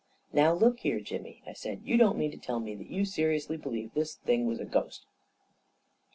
41 Now, look here, Jimmy," I said, " you don't mean to tell me that you seriously believe this thing was a ghost?